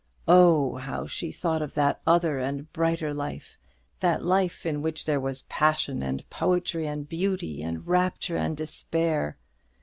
Oh, how she thought of that other and brighter life! that life in which there was passion, and poetry, and beauty, and rapture, and despair!